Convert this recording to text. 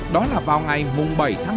đó là vào ngày bảy tháng năm